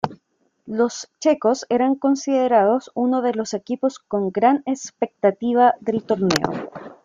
Los checos eran considerados uno de los equipos con gran expectativa del torneo.